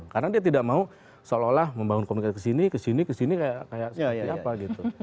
karena dia tidak mau seolah olah membangun komunikasi kesini kesini kesini kayak seperti apa gitu